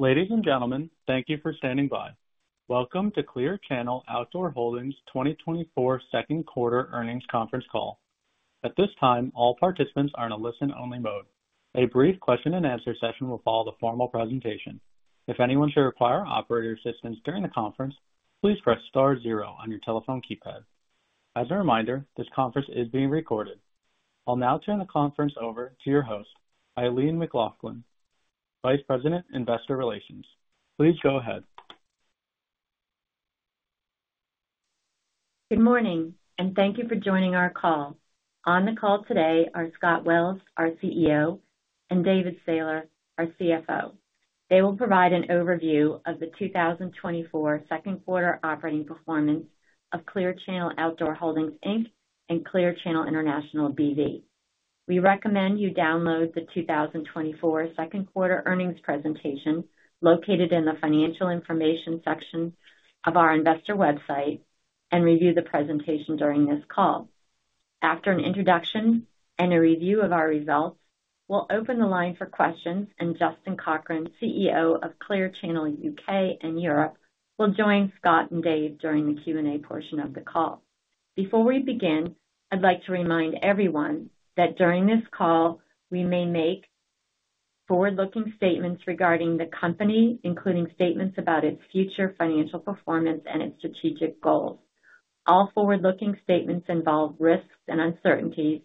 Ladies and gentlemen, thank you for standing by. Welcome to Clear Channel Outdoor Holdings' 2024 Second Quarter Earnings Conference Call. At this time, all participants are in a listen-only mode. A brief question-and-answer session will follow the formal presentation. If anyone should require operator assistance during the conference, please press star zero on your telephone keypad. As a reminder, this conference is being recorded. I'll now turn the conference over to your host, Eileen McLaughlin, Vice President, Investor Relations. Please go ahead. Good morning, and thank you for joining our call. On the call today are Scott Wells, our CEO, and David Sailer, our CFO. They will provide an overview of the 2024 second quarter operating performance of Clear Channel Outdoor Holdings Inc. and Clear Channel International B.V. We recommend you download the 2024 second quarter earnings presentation located in the financial information section of our investor website and review the presentation during this call. After an introduction and a review of our results, we'll open the line for questions, and Justin Cochrane, CEO of Clear Channel UK and Europe, will join Scott and Dave during the Q&A portion of the call. Before we begin, I'd like to remind everyone that during this call, we may make forward-looking statements regarding the company, including statements about its future financial performance and its strategic goals. All forward-looking statements involve risks and uncertainties,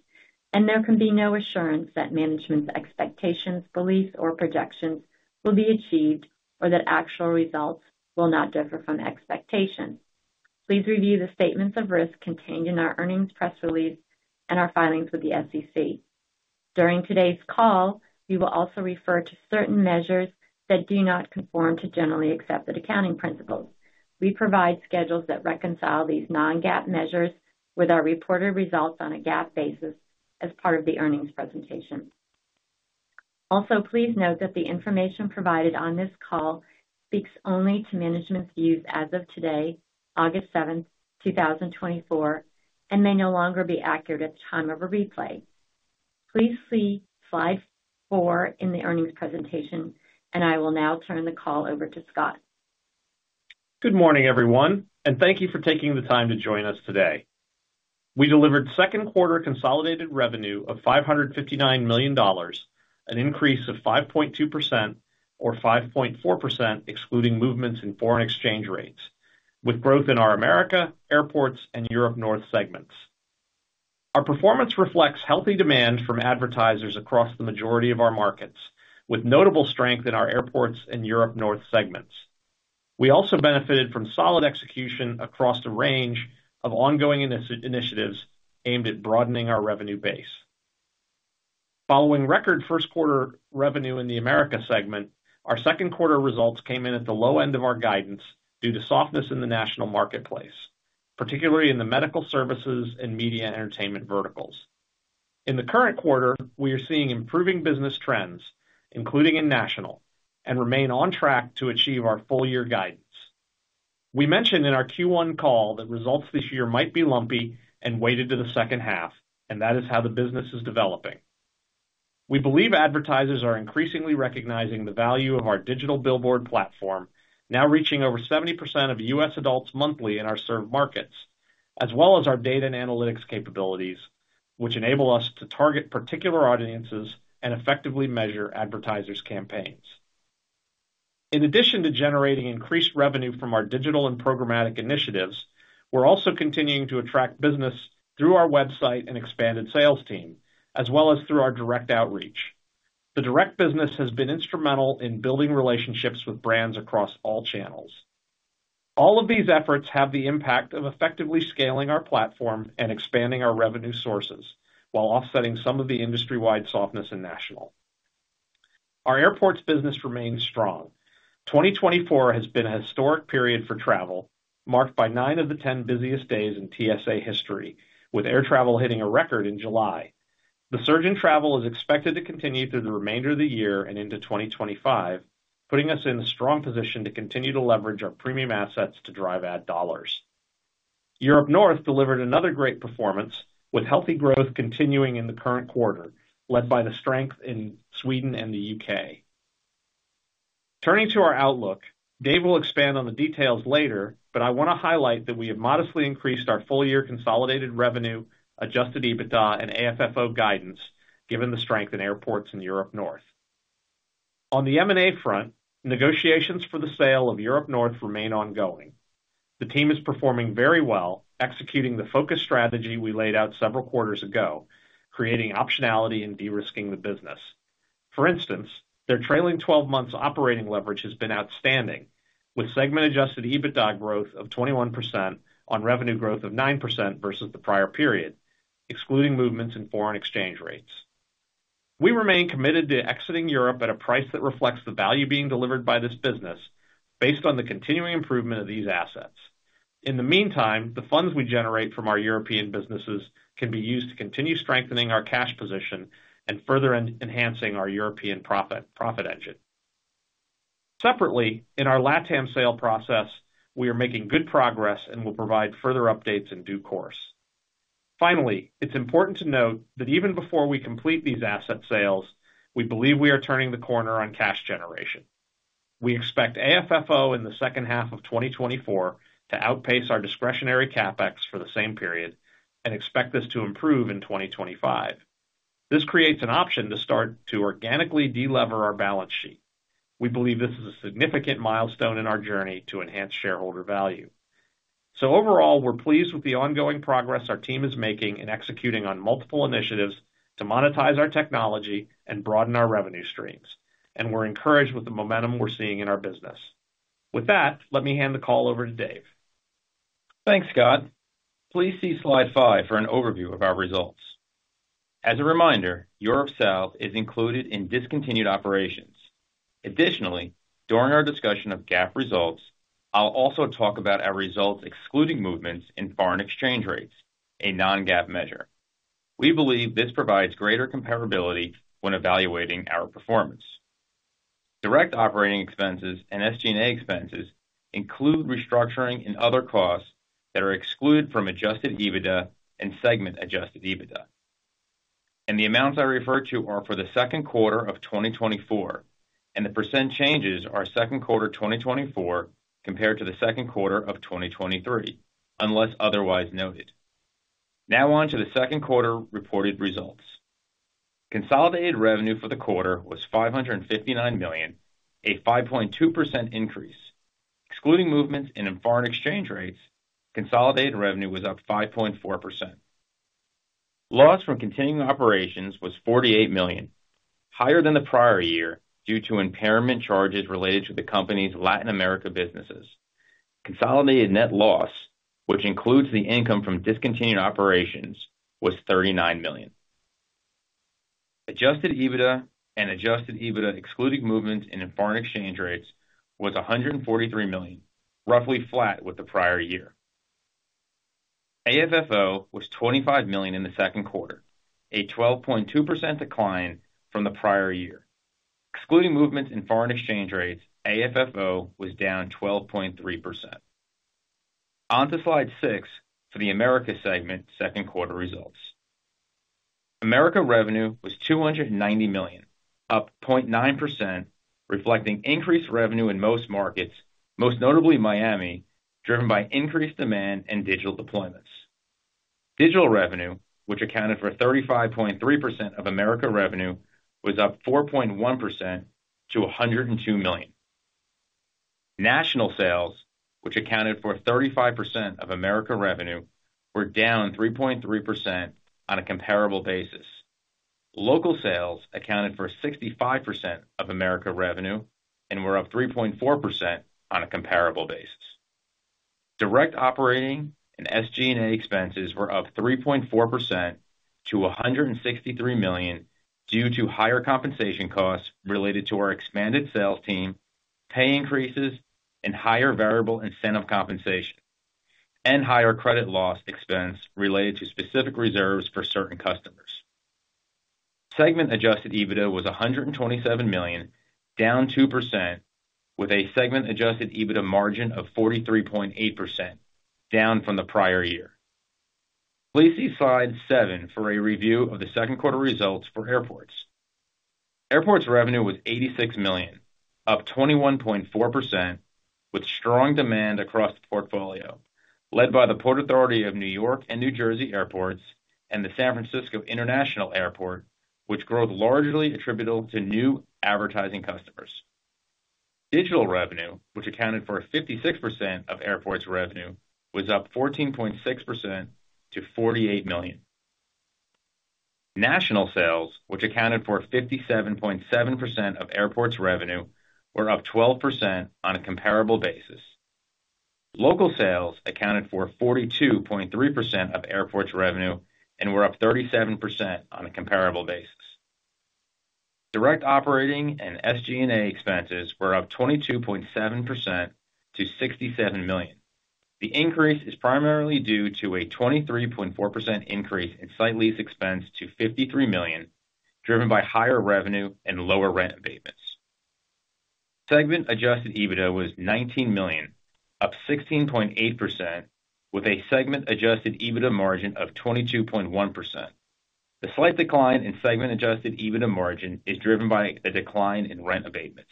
and there can be no assurance that management's expectations, beliefs, or projections will be achieved or that actual results will not differ from expectations. Please review the statements of risk contained in our earnings press release and our filings with the SEC. During today's call, we will also refer to certain measures that do not conform to generally accepted accounting principles. We provide schedules that reconcile these non-GAAP measures with our reported results on a GAAP basis as part of the earnings presentation. Also, please note that the information provided on this call speaks only to management's views as of today, August 7th, 2024, and may no longer be accurate at the time of a replay. Please see slide 4 in the earnings presentation, and I will now turn the call over to Scott. Good morning, everyone, and thank you for taking the time to join us today. We delivered second quarter consolidated revenue of $559 million, an increase of 5.2% or 5.4% excluding movements in foreign exchange rates, with growth in our America, Airports, and Europe North segments. Our performance reflects healthy demand from advertisers across the majority of our markets, with notable strength in our Airports and Europe North segments. We also benefited from solid execution across the range of ongoing initiatives aimed at broadening our revenue base. Following record first quarter revenue in the America segment, our second quarter results came in at the low end of our guidance due to softness in the national marketplace, particularly in the medical services and media entertainment verticals. In the current quarter, we are seeing improving business trends, including in national, and remain on track to achieve our full year guidance. We mentioned in our Q1 call that results this year might be lumpy and weighted to the second half, and that is how the business is developing. We believe advertisers are increasingly recognizing the value of our digital billboard platform, now reaching over 70% of U.S. adults monthly in our served markets, as well as our data and analytics capabilities, which enable us to target particular audiences and effectively measure advertisers' campaigns. In addition to generating increased revenue from our digital and programmatic initiatives, we're also continuing to attract business through our website and expanded sales team, as well as through our direct outreach. The direct business has been instrumental in building relationships with brands across all channels. All of these efforts have the impact of effectively scaling our platform and expanding our revenue sources while offsetting some of the industry-wide softness in national. Our Airports business remains strong. 2024 has been a historic period for travel, marked by nine of the ten busiest days in TSA history, with air travel hitting a record in July. The surge in travel is expected to continue through the remainder of the year and into 2025, putting us in a strong position to continue to leverage our premium assets to drive ad dollars. Europe North delivered another great performance, with healthy growth continuing in the current quarter, led by the strength in Sweden and the UK. Turning to our outlook, Dave will expand on the details later, but I want to highlight that we have modestly increased our full year consolidated revenue, adjusted EBITDA, and AFFO guidance, given the strength in Airports and Europe North. On the M&A front, negotiations for the sale of Europe North remain ongoing. The team is performing very well, executing the focus strategy we laid out several quarters ago, creating optionality and de-risking the business. For instance, their trailing 12 months operating leverage has been outstanding, with Segment Adjusted EBITDA growth of 21% on revenue growth of 9% versus the prior period, excluding movements in foreign exchange rates. We remain committed to exiting Europe at a price that reflects the value being delivered by this business, based on the continuing improvement of these assets. In the meantime, the funds we generate from our European businesses can be used to continue strengthening our cash position and further enhancing our European profit engine. Separately, in our LATAM sale process, we are making good progress and will provide further updates in due course. Finally, it's important to note that even before we complete these asset sales, we believe we are turning the corner on cash generation. We expect AFFO in the second half of 2024 to outpace our discretionary CapEx for the same period and expect this to improve in 2025. This creates an option to start to organically de-lever our balance sheet. We believe this is a significant milestone in our journey to enhance shareholder value. So overall, we're pleased with the ongoing progress our team is making and executing on multiple initiatives to monetize our technology and broaden our revenue streams, and we're encouraged with the momentum we're seeing in our business. With that, let me hand the call over to Dave. Thanks, Scott. Please see slide five for an overview of our results. As a reminder, Europe South is included in discontinued operations. Additionally, during our discussion of GAAP results, I'll also talk about our results excluding movements in foreign exchange rates, a non-GAAP measure. We believe this provides greater comparability when evaluating our performance. Direct operating expenses and SG&A expenses include restructuring and other costs that are excluded from Adjusted EBITDA and Segment Adjusted EBITDA. The amounts I refer to are for the second quarter of 2024, and the percent changes are second quarter 2024 compared to the second quarter of 2023, unless otherwise noted. Now on to the second quarter reported results. Consolidated revenue for the quarter was $559 million, a 5.2% increase. Excluding movements in foreign exchange rates, consolidated revenue was up 5.4%. Loss from continuing operations was $48 million, higher than the prior year due to impairment charges related to the company's Latin America businesses. Consolidated net loss, which includes the income from discontinued operations, was $39 million. Adjusted EBITDA and adjusted EBITDA excluding movements in foreign exchange rates was $143 million, roughly flat with the prior year. AFFO was $25 million in the second quarter, a 12.2% decline from the prior year. Excluding movements in foreign exchange rates, AFFO was down 12.3%. On to slide 6 for the America segment second quarter results. America revenue was $290 million, up 0.9%, reflecting increased revenue in most markets, most notably Miami, driven by increased demand and digital deployments. Digital revenue, which accounted for 35.3% of America revenue, was up 4.1% to $102 million. National sales, which accounted for 35% of America revenue, were down 3.3% on a comparable basis. Local sales accounted for 65% of America revenue and were up 3.4% on a comparable basis. Direct operating and SG&A expenses were up 3.4% to $163 million due to higher compensation costs related to our expanded sales team, pay increases, and higher variable incentive compensation, and higher credit loss expense related to specific reserves for certain customers. Segment Adjusted EBITDA was $127 million, down 2%, with a Segment Adjusted EBITDA margin of 43.8%, down from the prior year. Please see slide 7 for a review of the second quarter results for Airports. Airports revenue was $86 million, up 21.4%, with strong demand across the portfolio, led by the Port Authority of New York and New Jersey Airports and the San Francisco International Airport, with growth largely attributable to new advertising customers. Digital revenue, which accounted for 56% of Airports' revenue, was up 14.6% to $48 million. National sales, which accounted for 57.7% of Airports' revenue, were up 12% on a comparable basis. Local sales accounted for 42.3% of Airports' revenue and were up 37% on a comparable basis. Direct operating and SG&A expenses were up 22.7% to $67 million. The increase is primarily due to a 23.4% increase in site lease expense to $53 million, driven by higher revenue and lower rent abatements. Segment Adjusted EBITDA was $19 million, up 16.8%, with a Segment Adjusted EBITDA margin of 22.1%. The slight decline in Segment Adjusted EBITDA margin is driven by a decline in rent abatements.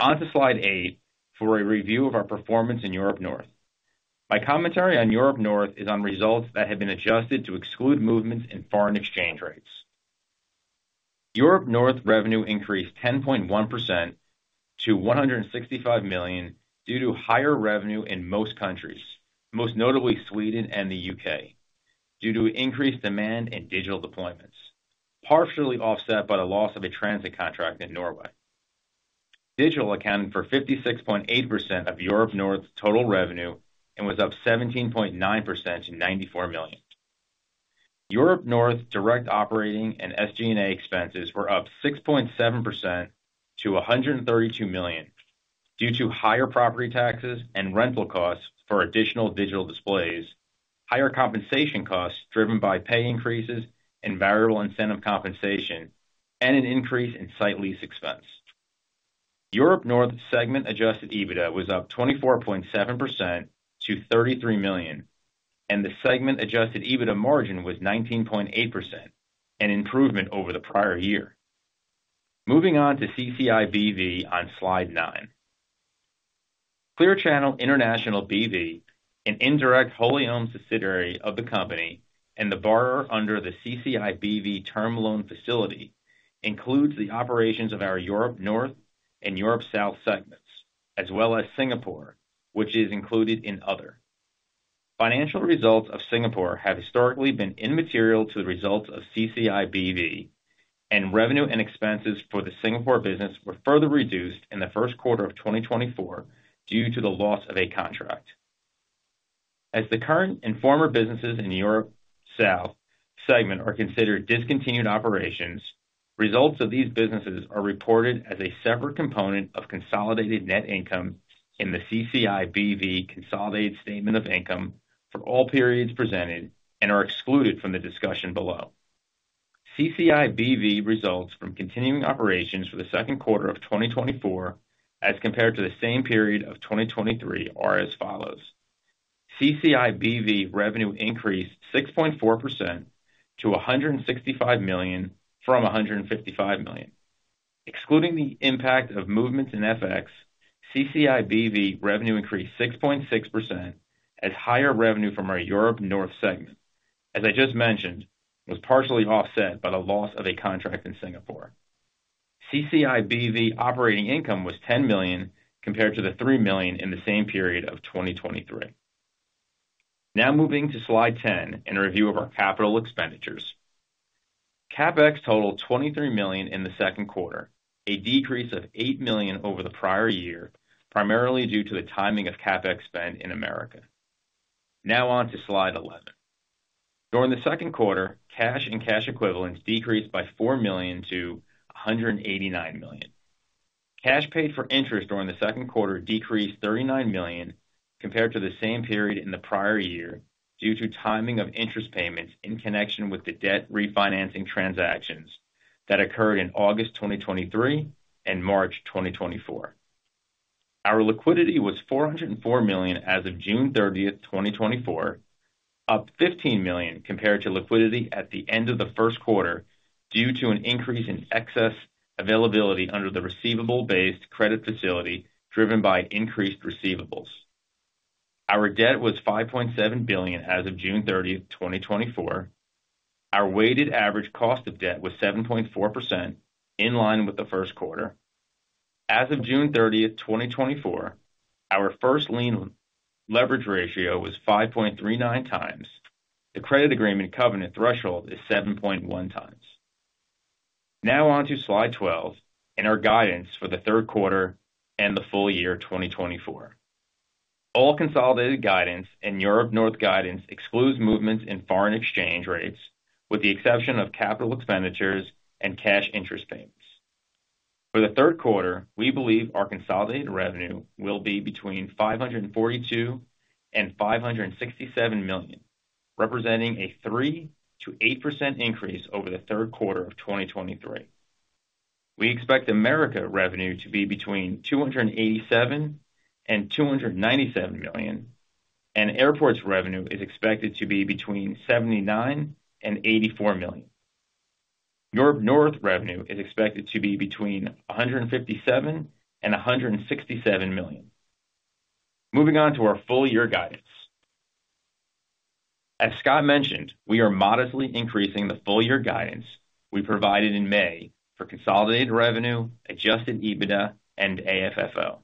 On to slide eight for a review of our performance in Europe North. My commentary on Europe North is on results that have been adjusted to exclude movements in foreign exchange rates. Europe North revenue increased 10.1% to $165 million due to higher revenue in most countries, most notably Sweden and the UK, due to increased demand and digital deployments, partially offset by the loss of a transit contract in Norway. Digital accounted for 56.8% of Europe North total revenue and was up 17.9% to $94 million. Europe North direct operating and SG&A expenses were up 6.7% to $132 million due to higher property taxes and rental costs for additional digital displays, higher compensation costs driven by pay increases and variable incentive compensation, and an increase in site lease expense. Europe North Segment Adjusted EBITDA was up 24.7% to $33 million, and the Segment Adjusted EBITDA margin was 19.8%, an improvement over the prior year. Moving on to CCI BV on slide nine. Clear Channel International B.V., an indirect wholly-owned subsidiary of the company and the borrower under the CCI B.V. term loan facility, includes the operations of our Europe North and Europe South segments, as well as Singapore, which is included in Other. Financial results of Singapore have historically been immaterial to the results of CCI B.V., and revenue and expenses for the Singapore business were further reduced in the first quarter of 2024 due to the loss of a contract. As the current and former businesses in Europe South segment are considered discontinued operations, results of these businesses are reported as a separate component of consolidated net income in the CCI B.V. consolidated statement of income for all periods presented and are excluded from the discussion below. CCI B.V. results from continuing operations for the second quarter of 2024 as compared to the same period of 2023 are as follows. CCI BV revenue increased 6.4% to $165 million from $155 million. Excluding the impact of movements in FX, CCI BV revenue increased 6.6% as higher revenue from our Europe North segment, as I just mentioned, was partially offset by the loss of a contract in Singapore. CCI BV operating income was $10 million compared to the $3 million in the same period of 2023. Now moving to slide 10 and review of our capital expenditures. CapEx totaled $23 million in the second quarter, a decrease of $8 million over the prior year, primarily due to the timing of CapEx spend in America. Now on to slide 11. During the second quarter, cash and cash equivalents decreased by $4 million to $189 million. Cash paid for interest during the second quarter decreased $39 million compared to the same period in the prior year due to timing of interest payments in connection with the debt refinancing transactions that occurred in August 2023 and March 2024. Our liquidity was $404 million as of June 30, 2024, up $15 million compared to liquidity at the end of the first quarter due to an increase in excess availability under the Receivables-Based Credit Facility driven by increased receivables. Our debt was $5.7 billion as of June 30, 2024. Our weighted average cost of debt was 7.4%, in line with the first quarter. As of June 30, 2024, our First Lien Leverage Ratio was 5.39x. The credit agreement covenant threshold is 7.1x. Now on to slide 12 and our guidance for the third quarter and the full year 2024. All consolidated guidance and Europe North guidance excludes movements in foreign exchange rates, with the exception of Capital Expenditures and cash interest payments. For the third quarter, we believe our consolidated revenue will be between $542-$567 million, representing a 3%-8% increase over the third quarter of 2023. We expect America revenue to be between $287-$297 million, and Airports' revenue is expected to be between $79-$84 million. Europe North revenue is expected to be between $157-$167 million. Moving on to our full year guidance. As Scott mentioned, we are modestly increasing the full year guidance we provided in May for consolidated revenue, Adjusted EBITDA, and AFFO.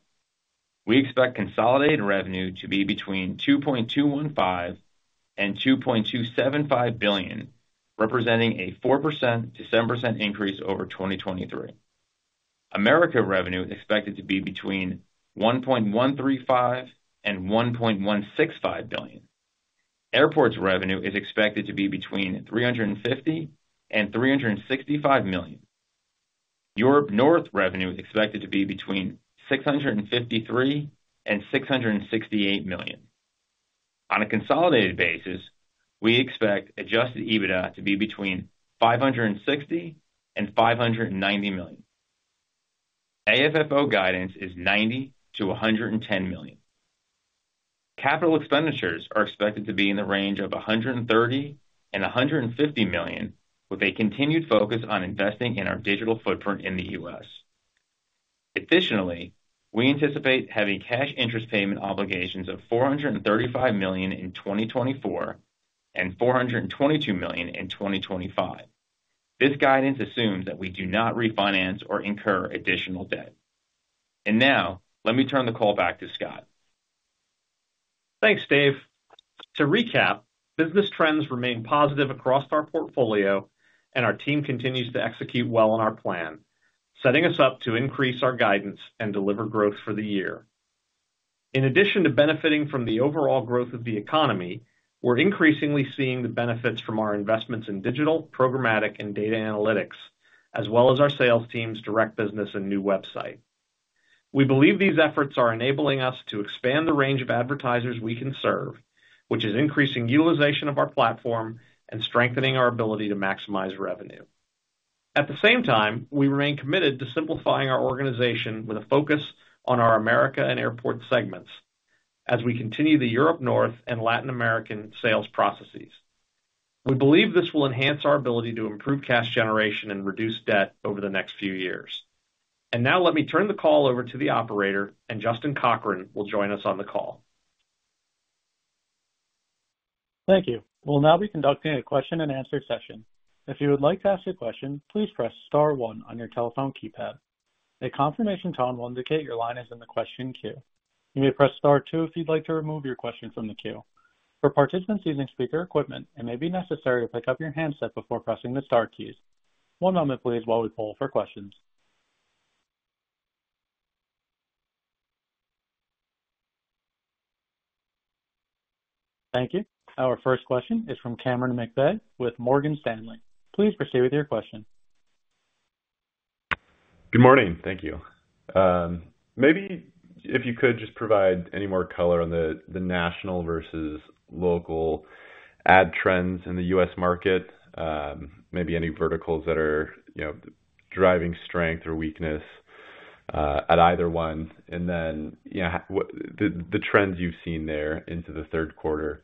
We expect consolidated revenue to be between $2.215-$2.275 billion, representing a 4%-7% increase over 2023. America revenue is expected to be between $1.135-$1.165 billion. Airports' revenue is expected to be between $350-$365 million. Europe North revenue is expected to be between $653-$668 million. On a consolidated basis, we expect Adjusted EBITDA to be between $560-$590 million. AFFO guidance is $90-$110 million. Capital expenditures are expected to be in the range of $130-$150 million, with a continued focus on investing in our digital footprint in the U.S. Additionally, we anticipate having cash interest payment obligations of $435 million in 2024 and $422 million in 2025. This guidance assumes that we do not refinance or incur additional debt. Now, let me turn the call back to Scott. Thanks, Dave. To recap, business trends remain positive across our portfolio, and our team continues to execute well on our plan, setting us up to increase our guidance and deliver growth for the year. In addition to benefiting from the overall growth of the economy, we're increasingly seeing the benefits from our investments in digital, programmatic, and data analytics, as well as our sales team's direct business and new website. We believe these efforts are enabling us to expand the range of advertisers we can serve, which is increasing utilization of our platform and strengthening our ability to maximize revenue. At the same time, we remain committed to simplifying our organization with a focus on our America and Airport segments as we continue the Europe North and Latin American sales processes. We believe this will enhance our ability to improve cash generation and reduce debt over the next few years. And now let me turn the call over to the operator, and Justin Cochrane will join us on the call. Thank you. We'll now be conducting a question-and-answer session. If you would like to ask a question, please press star one on your telephone keypad. A confirmation tone will indicate your line is in the question queue. You may press star two if you'd like to remove your question from the queue. For participants using speaker equipment, it may be necessary to pick up your handset before pressing the star keys. One moment, please, while we poll for questions. Thank you. Our first question is from Cameron McVeigh with Morgan Stanley. Please proceed with your question. Good morning. Thank you. Maybe if you could just provide any more color on the national versus local ad trends in the US market, maybe any verticals that are driving strength or weakness at either one, and then the trends you've seen there into the third quarter.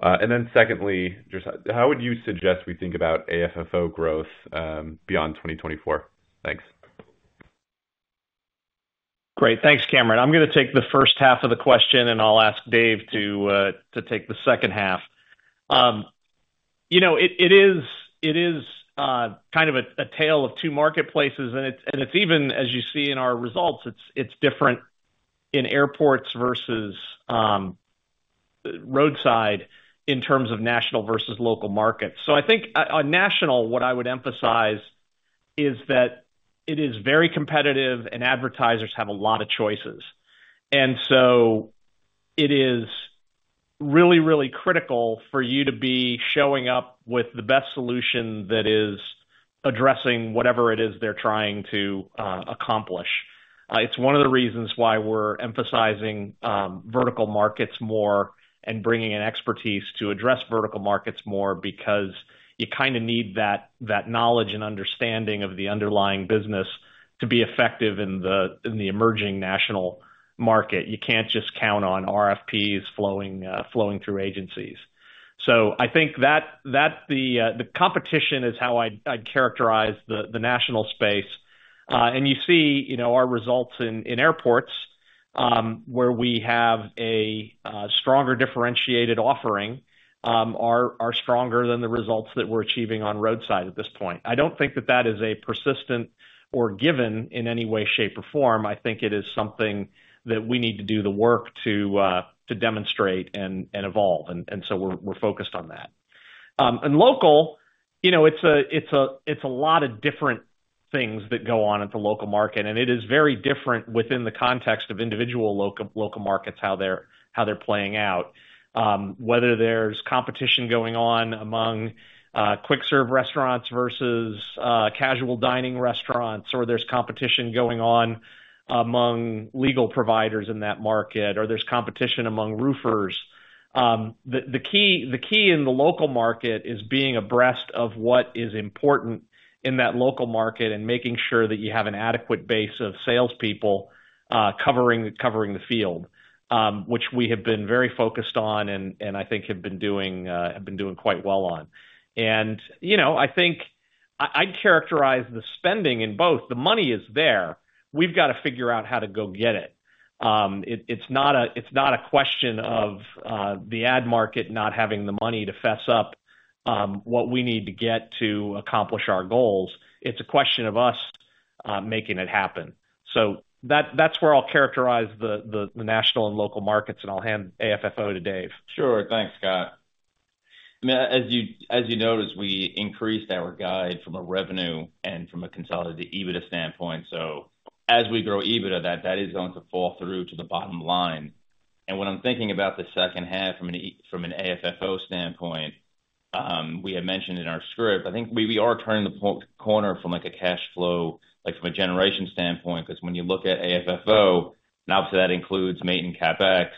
And then secondly, just how would you suggest we think about AFFO growth beyond 2024? Thanks. Great. Thanks, Cameron. I'm going to take the first half of the question, and I'll ask Dave to take the second half. It is kind of a tale of two marketplaces, and it's even, as you see in our results, it's different in Airports versus roadside in terms of national versus local markets. So I think on national, what I would emphasize is that it is very competitive and advertisers have a lot of choices. And so it is really, really critical for you to be showing up with the best solution that is addressing whatever it is they're trying to accomplish. It's one of the reasons why we're emphasizing vertical markets more and bringing in expertise to address vertical markets more because you kind of need that knowledge and understanding of the underlying business to be effective in the emerging national market. You can't just count on RFPs flowing through agencies. So I think that the competition is how I'd characterize the national space. And you see our results in Airports, where we have a stronger differentiated offering, are stronger than the results that we're achieving on roadside at this point. I don't think that that is a persistent or given in any way, shape, or form. I think it is something that we need to do the work to demonstrate and evolve. And so we're focused on that. And local, it's a lot of different things that go on at the local market, and it is very different within the context of individual local markets how they're playing out, whether there's competition going on among quick-serve restaurants versus casual dining restaurants, or there's competition going on among legal providers in that market, or there's competition among roofers. The key in the local market is being abreast of what is important in that local market and making sure that you have an adequate base of salespeople covering the field, which we have been very focused on and I think have been doing quite well on. And I think I'd characterize the spending in both. The money is there. We've got to figure out how to go get it. It's not a question of the ad market not having the money to fess up what we need to get to accomplish our goals. It's a question of us making it happen. So that's where I'll characterize the national and local markets, and I'll hand AFFO to Dave. Sure. Thanks, Scott. As you noticed, we increased our guide from a revenue and from a consolidated EBITDA standpoint. So as we grow EBITDA, that is going to fall through to the bottom line. And when I'm thinking about the second half from an AFFO standpoint, we had mentioned in our script, I think we are turning the corner from a cash flow, from a generation standpoint, because when you look at AFFO, and obviously that includes maintenance CapEx,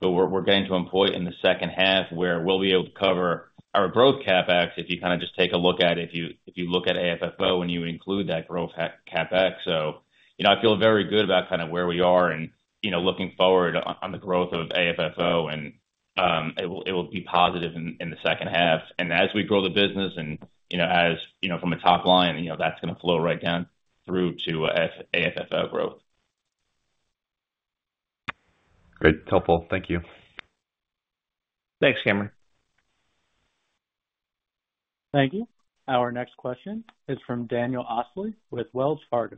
but we're getting to a point in the second half where we'll be able to cover our growth CapEx if you kind of just take a look at it, if you look at AFFO and you include that growth CapEx. So I feel very good about kind of where we are and looking forward on the growth of AFFO, and it will be positive in the second half. And as we grow the business and as from a top line, that's going to flow right down through to AFFO growth. Great. Helpful. Thank you. Thanks, Cameron. Thank you. Our next question is from Daniel Osley with Wells Fargo.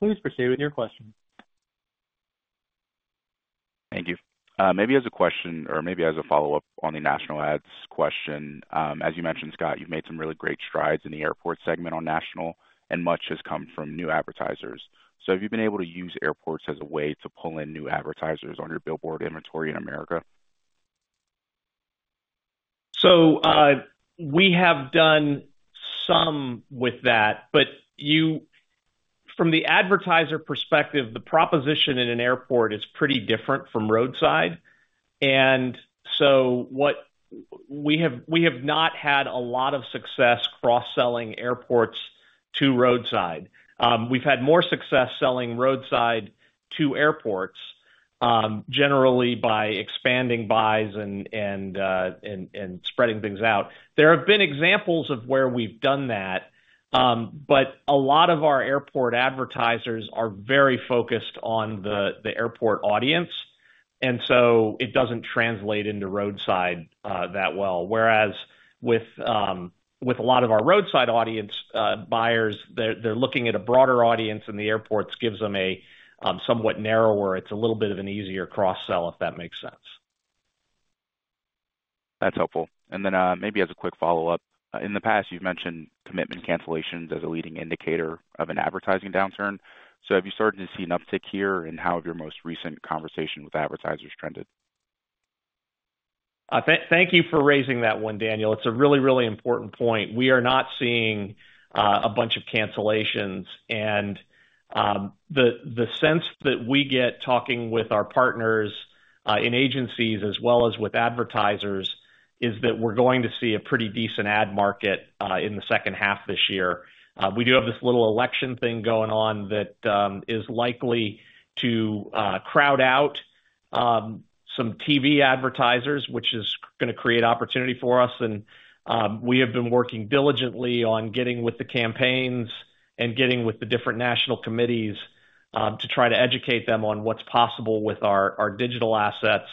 Please proceed with your question. Thank you. Maybe as a question or maybe as a follow-up on the national ads question, as you mentioned, Scott, you've made some really great strides in the Airport segment on national, and much has come from new advertisers. So have you been able to use Airports as a way to pull in new advertisers on your billboard inventory in America? So we have done some with that, but from the advertiser perspective, the proposition in an Airport is pretty different from roadside. And so we have not had a lot of success cross-selling Airports to roadside. We've had more success selling roadside to Airports, generally by expanding buys and spreading things out. There have been examples of where we've done that, but a lot of our Airport advertisers are very focused on the Airport audience, and so it doesn't translate into roadside that well. Whereas with a lot of our roadside audience buyers, they're looking at a broader audience, and the Airports gives them a somewhat narrower. It's a little bit of an easier cross-sell, if that makes sense. That's helpful. And then maybe as a quick follow-up, in the past, you've mentioned commitment cancellations as a leading indicator of an advertising downturn. So have you started to see an uptick here in how your most recent conversation with advertisers trended? Thank you for raising that one, Daniel. It's a really, really important point. We are not seeing a bunch of cancellations, and the sense that we get talking with our partners in agencies as well as with advertisers is that we're going to see a pretty decent ad market in the second half this year. We do have this little election thing going on that is likely to crowd out some TV advertisers, which is going to create opportunity for us. And we have been working diligently on getting with the campaigns and getting with the different national committees to try to educate them on what's possible with our digital assets.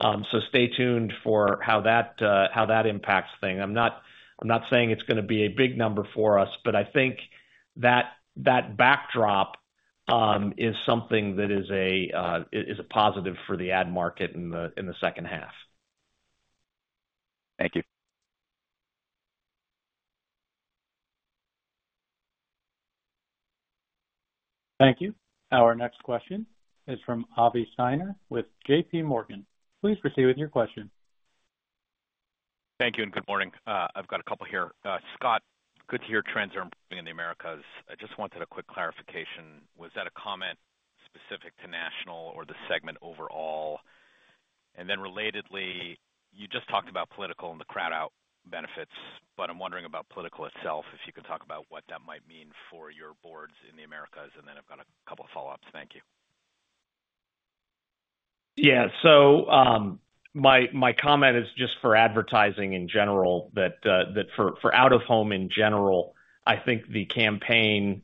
So stay tuned for how that impacts things. I'm not saying it's going to be a big number for us, but I think that backdrop is something that is a positive for the ad market in the second half. Thank you. Thank you. Our next question is from Avi Steiner with JPMorgan. Please proceed with your question. Thank you and good morning. I've got a couple here. Scott, good to hear trends are improving in the Americas. I just wanted a quick clarification. Was that a comment specific to national or the segment overall? And then relatedly, you just talked about political and the crowd-out benefits, but I'm wondering about political itself, if you could talk about what that might mean for your boards in the Americas. And then I've got a couple of follow-ups. Thank you. Yeah. So my comment is just for advertising in general, that for out-of-home in general, I think the campaign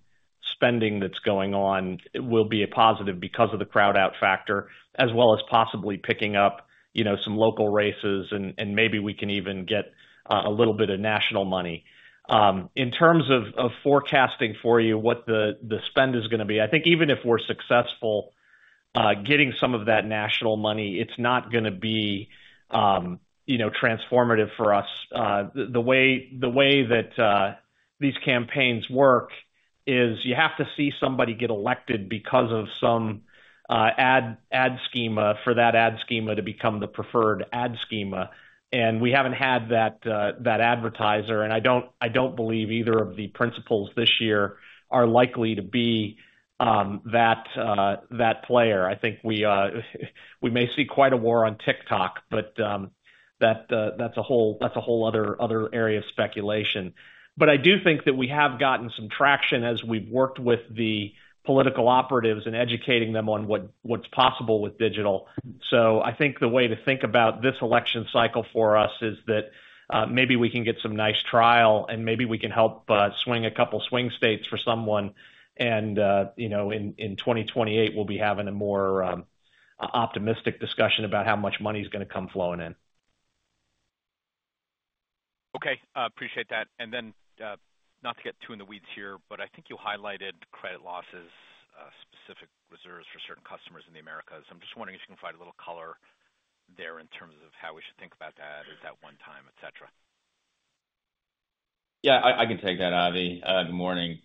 spending that's going on will be a positive because of the crowd-out factor, as well as possibly picking up some local races, and maybe we can even get a little bit of national money. In terms of forecasting for you, what the spend is going to be, I think even if we're successful getting some of that national money, it's not going to be transformative for us. The way that these campaigns work is you have to see somebody get elected because of some ad schema for that ad schema to become the preferred ad schema. And we haven't had that advertiser, and I don't believe either of the principals this year are likely to be that player. I think we may see quite a war on TikTok, but that's a whole other area of speculation. But I do think that we have gotten some traction as we've worked with the political operatives and educating them on what's possible with digital. So I think the way to think about this election cycle for us is that maybe we can get some nice trial, and maybe we can help swing a couple of swing states for someone. And in 2028, we'll be having a more optimistic discussion about how much money is going to come flowing in. Okay. Appreciate that. And then not to get too in the weeds here, but I think you highlighted credit losses, specific reserves for certain customers in the Americas. I'm just wondering if you can provide a little color there in terms of how we should think about that at that one time, etc. Yeah, I can take that, Avi. Good morning.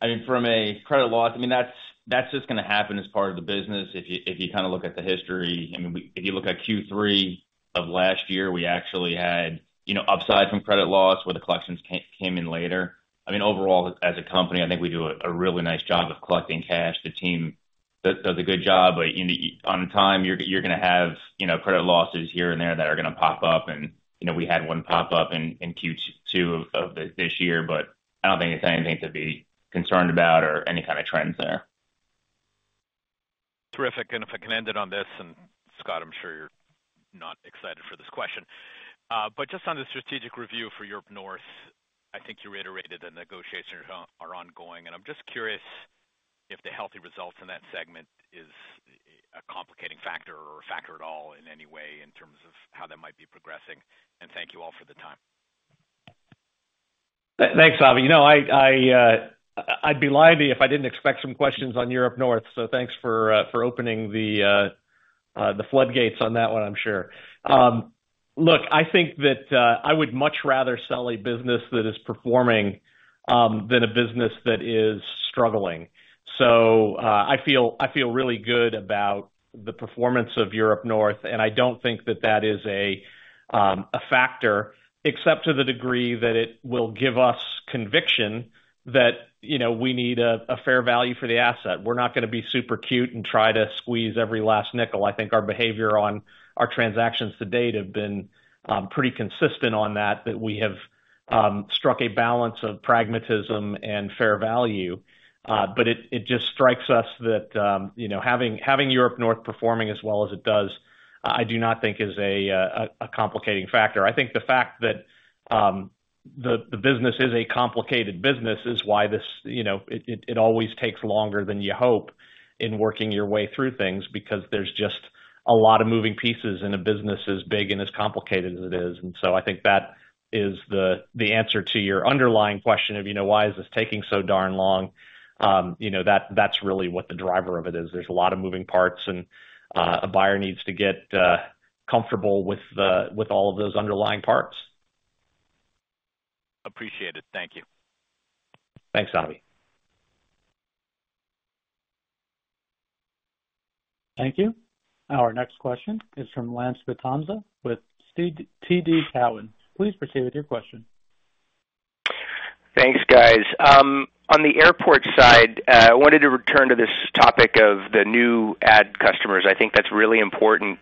I mean, from a credit loss, I mean, that's just going to happen as part of the business. If you kind of look at the history, I mean, if you look at Q3 of last year, we actually had upside from credit loss where the collections came in later. I mean, overall, as a company, I think we do a really nice job of collecting cash. The team does a good job. But on time, you're going to have credit losses here and there that are going to pop up. And we had one pop up in Q2 of this year, but I don't think it's anything to be concerned about or any kind of trends there. Terrific. And if I can end it on this, and Scott, I'm sure you're not excited for this question, but just on the strategic review for Europe North, I think you reiterated that negotiations are ongoing. I'm just curious if the healthy results in that segment is a complicating factor or a factor at all in any way in terms of how that might be progressing. Thank you all for the time. Thanks, Avi. I'd be lying to you if I didn't expect some questions on Europe North. So thanks for opening the floodgates on that one, I'm sure. Look, I think that I would much rather sell a business that is performing than a business that is struggling. So I feel really good about the performance of Europe North, and I don't think that that is a factor, except to the degree that it will give us conviction that we need a fair value for the asset. We're not going to be super cute and try to squeeze every last nickel. I think our behavior on our transactions to date has been pretty consistent on that, that we have struck a balance of pragmatism and fair value. But it just strikes us that having Europe North performing as well as it does, I do not think is a complicating factor. I think the fact that the business is a complicated business is why it always takes longer than you hope in working your way through things because there's just a lot of moving pieces in a business as big and as complicated as it is. And so I think that is the answer to your underlying question of, "Why is this taking so darn long?" That's really what the driver of it is. There's a lot of moving parts, and a buyer needs to get comfortable with all of those underlying parts. Appreciate it. Thank you. Thanks, Avi. Thank you. Our next question is from Lance Vitanza with TD Cowen. Please proceed with your question. Thanks, guys. On the Airport side, I wanted to return to this topic of the new ad customers. I think that's really important.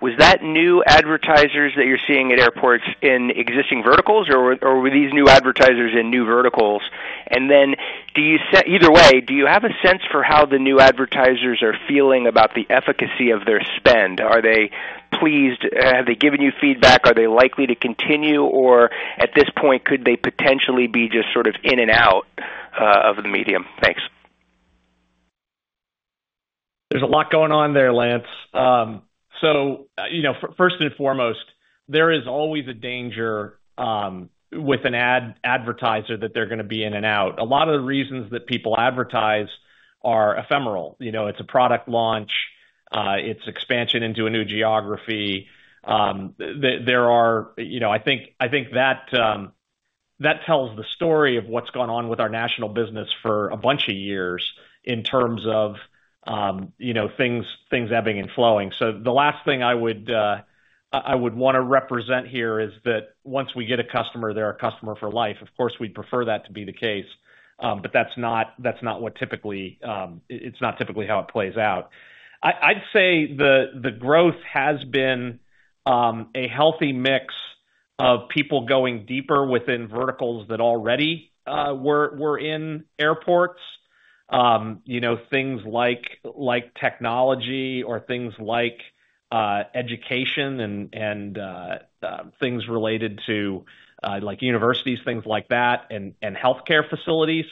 Was that new advertisers that you're seeing at Airports in existing verticals, or were these new advertisers in new verticals? And then either way, do you have a sense for how the new advertisers are feeling about the efficacy of their spend? Are they pleased? Have they given you feedback? Are they likely to continue? Or at this point, could they potentially be just sort of in and out of the medium? Thanks. There's a lot going on there, Lance. So first and foremost, there is always a danger with an advertiser that they're going to be in and out. A lot of the reasons that people advertise are ephemeral. It's a product launch. It's expansion into a new geography. There are, I think, that tells the story of what's gone on with our national business for a bunch of years in terms of things ebbing and flowing. So the last thing I would want to represent here is that once we get a customer, they're a customer for life. Of course, we'd prefer that to be the case, but that's not typically how it plays out. I'd say the growth has been a healthy mix of people going deeper within verticals that already were in Airports, things like technology or things like education and things related to universities, things like that, and healthcare facilities.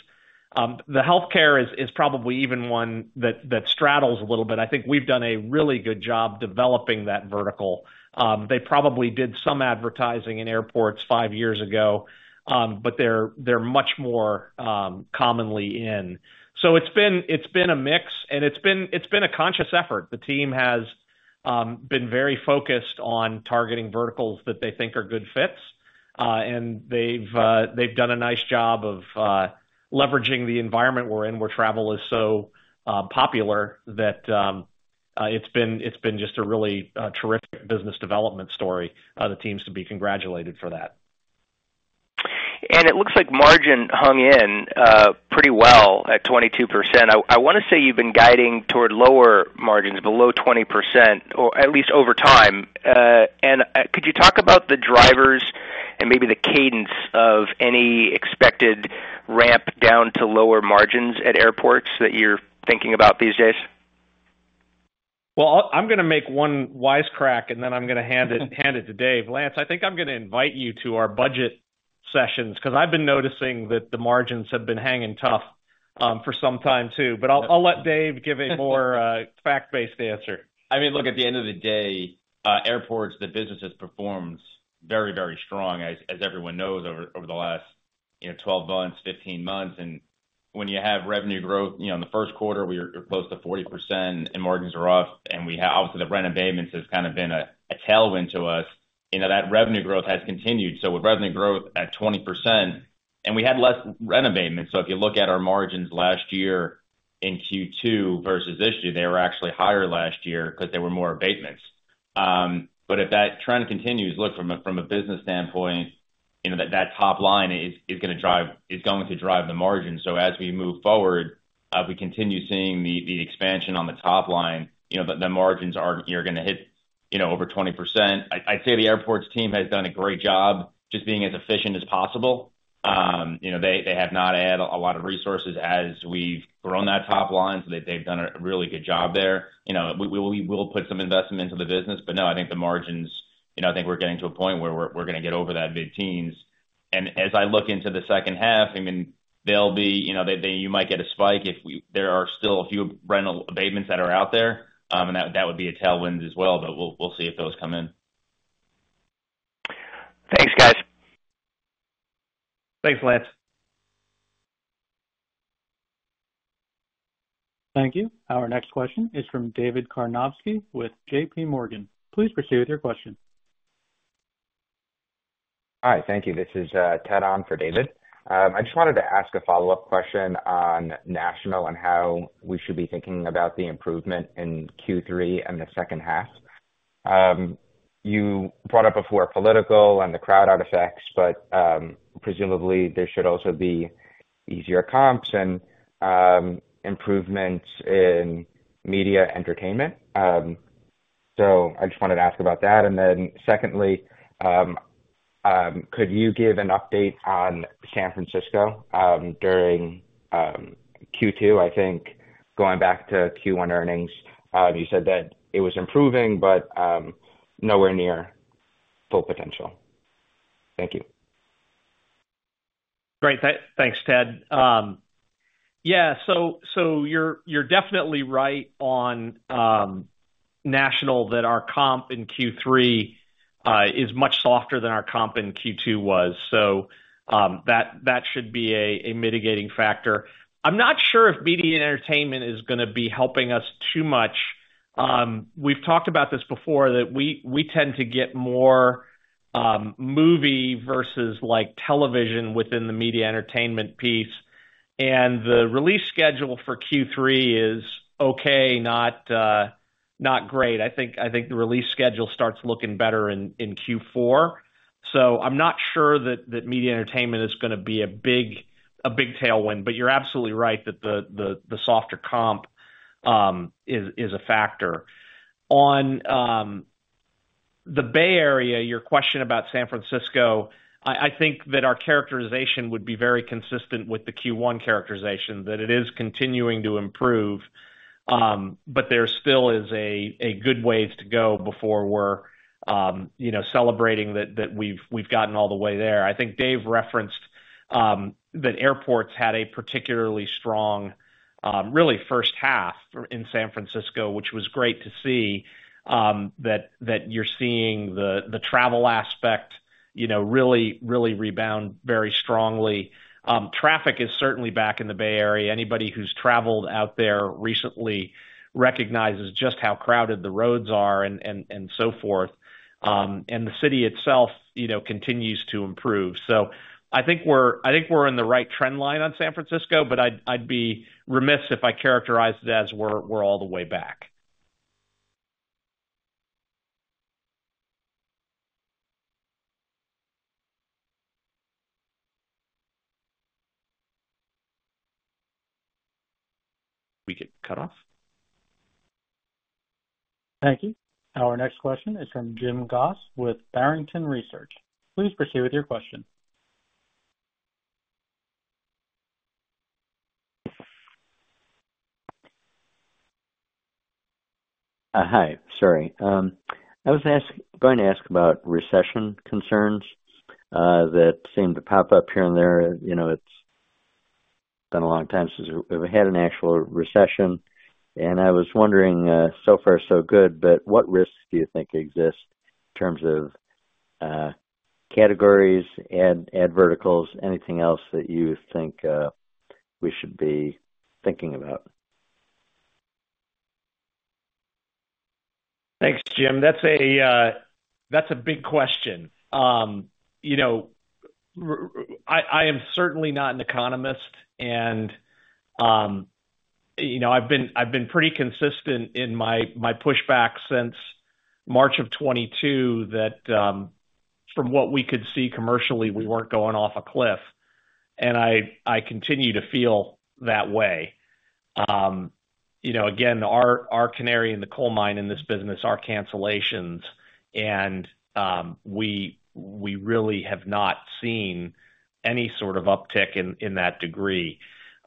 The healthcare is probably even one that straddles a little bit. I think we've done a really good job developing that vertical. They probably did some advertising in Airports five years ago, but they're much more commonly in. So it's been a mix, and it's been a conscious effort. The team has been very focused on targeting verticals that they think are good fits, and they've done a nice job of leveraging the environment we're in where travel is so popular that it's been just a really terrific business development story. The team's to be congratulated for that. And it looks like margin hung in pretty well at 22%. I want to say you've been guiding toward lower margins, below 20%, or at least over time. And could you talk about the drivers and maybe the cadence of any expected ramp down to lower margins at Airports that you're thinking about these days? Well, I'm going to make one wise crack, and then I'm going to hand it to Dave. Lance, I think I'm going to invite you to our budget sessions because I've been noticing that the margins have been hanging tough for some time too. But I'll let Dave give a more fact-based answer. I mean, look, at the end of the day, Airports, the business has performed very, very strong, as everyone knows, over the last 12 months, 15 months. And when you have revenue growth in the first quarter, we were close to 40%, and margins were up. And obviously, the rent abatement has kind of been a tailwind to us. That revenue growth has continued. So with revenue growth at 20%, and we had less rent abatement. So if you look at our margins last year in Q2 versus this year, they were actually higher last year because there were more abatements. But if that trend continues, look, from a business standpoint, that top line is going to drive is going to drive the margin. So as we move forward, if we continue seeing the expansion on the top line, the margins are you're going to hit over 20%. I'd say the Airports team has done a great job just being as efficient as possible. They have not had a lot of resources as we've grown that top line. So they've done a really good job there. We will put some investment into the business, but no, I think the margins, I think we're getting to a point where we're going to get over that mid-teens. And as I look into the second half, I mean, they'll be you might get a spike if there are still a few rental abatements that are out there. And that would be a tailwind as well, but we'll see if those come in. Thanks, guys. Thanks, Lance. Thank you. Our next question is from David Karnovsky with JPMorgan. Please proceed with your question. Hi. Thank you. This is Ted for David. I just wanted to ask a follow-up question on national and how we should be thinking about the improvement in Q3 and the second half. You brought up before political and the crowd-out effects, but presumably, there should also be easier comps and improvements in media entertainment. So I just wanted to ask about that. And then secondly, could you give an update on San Francisco during Q2? I think going back to Q1 earnings, you said that it was improving, but nowhere near full potential. Thank you. Great. Thanks, Ted. Yeah. So you're definitely right on national that our comp in Q3 is much softer than our comp in Q2 was. So that should be a mitigating factor. I'm not sure if media entertainment is going to be helping us too much. We've talked about this before, that we tend to get more movie versus television within the media entertainment piece. And the release schedule for Q3 is okay, not great. I think the release schedule starts looking better in Q4. So I'm not sure that media entertainment is going to be a big tailwind, but you're absolutely right that the softer comp is a factor. On the Bay Area, your question about San Francisco, I think that our characterization would be very consistent with the Q1 characterization, that it is continuing to improve, but there still is a good ways to go before we're celebrating that we've gotten all the way there. I think Dave referenced that Airports had a particularly strong, really first half in San Francisco, which was great to see that you're seeing the travel aspect really rebound very strongly. Traffic is certainly back in the Bay Area. Anybody who's traveled out there recently recognizes just how crowded the roads are and so forth. And the city itself continues to improve. So I think we're in the right trend line on San Francisco, but I'd be remiss if I characterized it as we're all the way back. We could cut off. Thank you. Our next question is from Jim Goss with Barrington Research. Please proceed with your question. Hi. Sorry. I was going to ask about recession concerns that seem to pop up here and there. It's been a long time since we've had an actual recession. And I was wondering, so far, so good, but what risks do you think exist in terms of categories, ad verticals, anything else that you think we should be thinking about? Thanks, Jim. That's a big question. I am certainly not an economist, and I've been pretty consistent in my pushback since March of 2022 that from what we could see commercially, we weren't going off a cliff. And I continue to feel that way. Again, our canary in the coal mine in this business are cancellations, and we really have not seen any sort of uptick in that degree.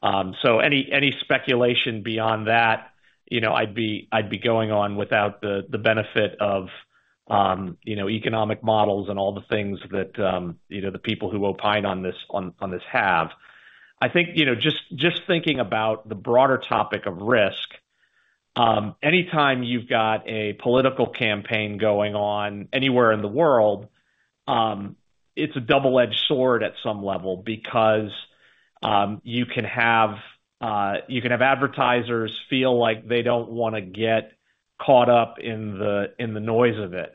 So any speculation beyond that, I'd be going on without the benefit of economic models and all the things that the people who opine on this have. I think just thinking about the broader topic of risk, anytime you've got a political campaign going on anywhere in the world, it's a double-edged sword at some level because you can have advertisers feel like they don't want to get caught up in the noise of it.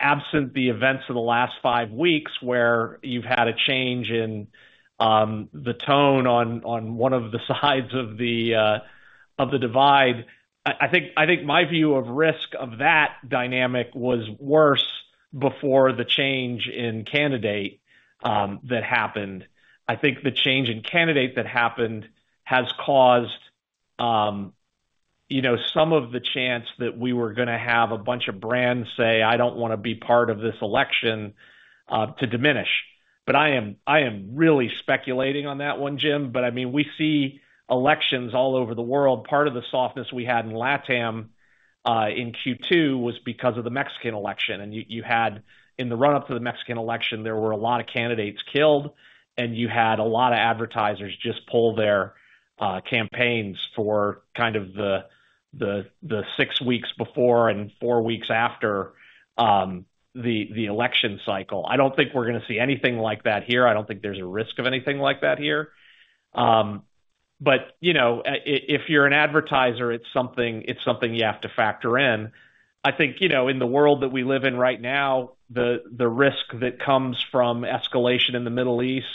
Absent the events of the last five weeks where you've had a change in the tone on one of the sides of the divide, I think my view of risk of that dynamic was worse before the change in candidate that happened. I think the change in candidate that happened has caused some of the chance that we were going to have a bunch of brands say, "I don't want to be part of this election," to diminish. But I am really speculating on that one, Jim. But I mean, we see elections all over the world. Part of the softness we had in LATAM in Q2 was because of the Mexican election. In the run-up to the Mexican election, there were a lot of candidates killed, and you had a lot of advertisers just pull their campaigns for kind of the six weeks before and four weeks after the election cycle. I don't think we're going to see anything like that here. I don't think there's a risk of anything like that here. But if you're an advertiser, it's something you have to factor in. I think in the world that we live in right now, the risk that comes from escalation in the Middle East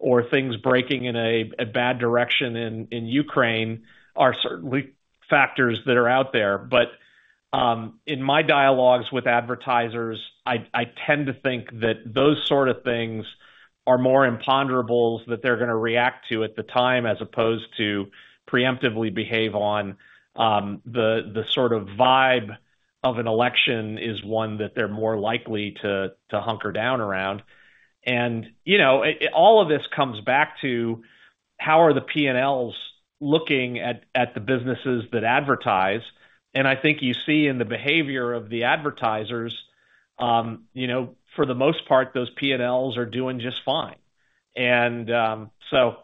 or things breaking in a bad direction in Ukraine are certainly factors that are out there. But in my dialogues with advertisers, I tend to think that those sort of things are more imponderables that they're going to react to at the time as opposed to preemptively behave on. The sort of vibe of an election is one that they're more likely to hunker down around. And all of this comes back to how are the P&Ls looking at the businesses that advertise. And I think you see in the behavior of the advertisers, for the most part, those P&Ls are doing just fine. So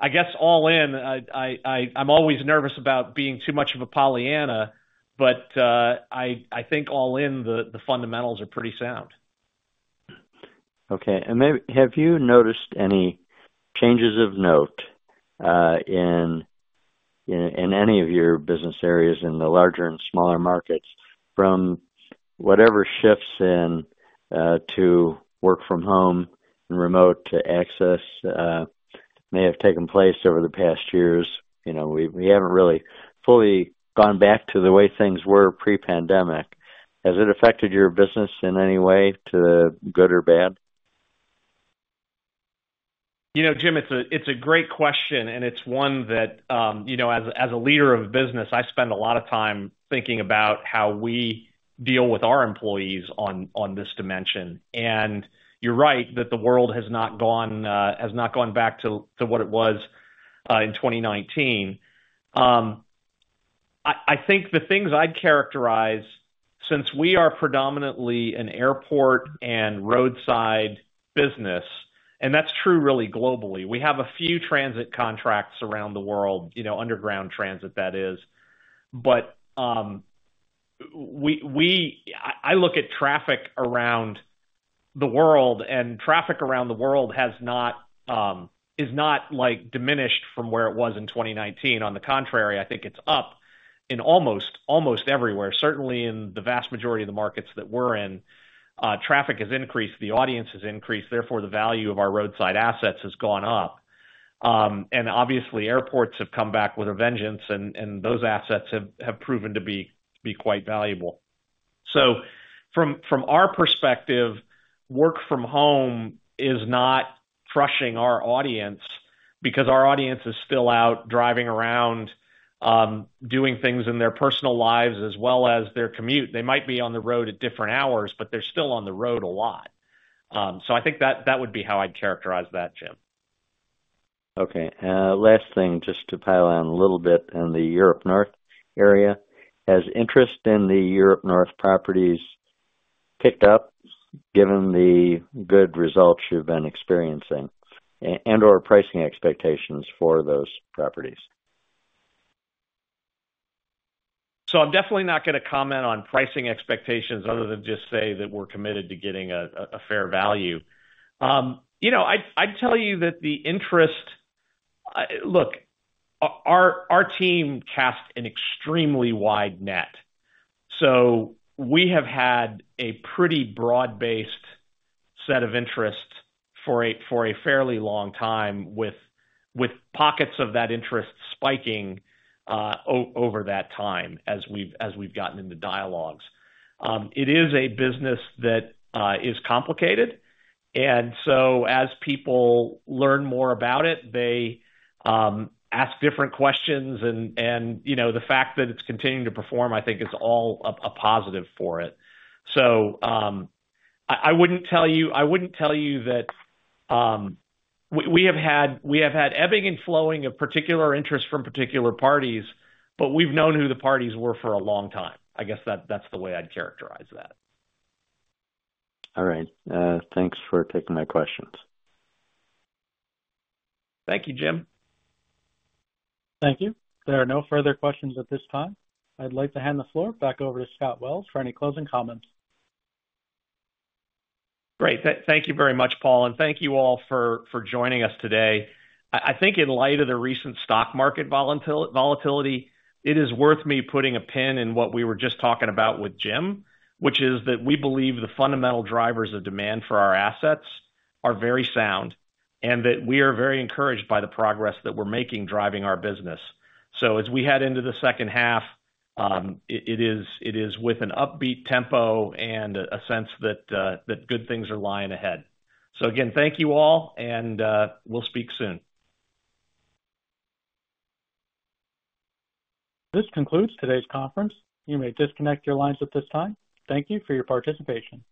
I guess all in, I'm always nervous about being too much of a Pollyanna, but I think all in, the fundamentals are pretty sound. Okay. Have you noticed any changes of note in any of your business areas in the larger and smaller markets from whatever shifts to work from home and remote access may have taken place over the past years? We haven't really fully gone back to the way things were pre-pandemic. Has it affected your business in any way, to good or bad? Jim, it's a great question, and it's one that, as a leader of business, I spend a lot of time thinking about how we deal with our employees on this dimension. You're right that the world has not gone back to what it was in 2019. I think the things I'd characterize, since we are predominantly an Airport and roadside business, and that's true really globally. We have a few transit contracts around the world, underground transit, that is. But I look at traffic around the world, and traffic around the world is not diminished from where it was in 2019. On the contrary, I think it's up in almost everywhere. Certainly, in the vast majority of the markets that we're in, traffic has increased. The audience has increased. Therefore, the value of our roadside assets has gone up. And obviously, Airports have come back with a vengeance, and those assets have proven to be quite valuable. So from our perspective, work from home is not crushing our audience because our audience is still out driving around, doing things in their personal lives as well as their commute. They might be on the road at different hours, but they're still on the road a lot. So I think that would be how I'd characterize that, Jim. Okay. Last thing, just to pile on a little bit in the Europe North area. Has interest in the Europe North properties picked up given the good results you've been experiencing and/or pricing expectations for those properties? So I'm definitely not going to comment on pricing expectations other than just say that we're committed to getting a fair value. I'd tell you that the interest look, our team cast an extremely wide net. So we have had a pretty broad-based set of interests for a fairly long time with pockets of that interest spiking over that time as we've gotten into dialogues. It is a business that is complicated. And so as people learn more about it, they ask different questions. And the fact that it's continuing to perform, I think, is all a positive for it. So I wouldn't tell you that we have had ebbing and flowing of particular interest from particular parties, but we've known who the parties were for a long time. I guess that's the way I'd characterize that. All right. Thanks for taking my questions. Thank you, Jim. Thank you. There are no further questions at this time. I'd like to hand the floor back over to Scott Wells for any closing comments. Great. Thank you very much, Paul. And thank you all for joining us today. I think in light of the recent stock market volatility, it is worth me putting a pin in what we were just talking about with Jim, which is that we believe the fundamental drivers of demand for our assets are very sound and that we are very encouraged by the progress that we're making driving our business. So as we head into the second half, it is with an upbeat tempo and a sense that good things are lying ahead. So again, thank you all, and we'll speak soon. This concludes today's conference. You may disconnect your lines at this time. Thank you for your participation.